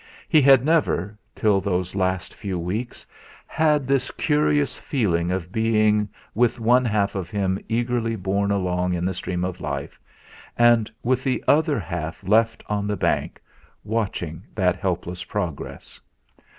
He had never, till those last few weeks, had this curious feeling of being with one half of him eagerly borne along in the stream of life, and with the other half left on the bank, watching that helpless progress.